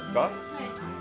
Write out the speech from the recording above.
はい。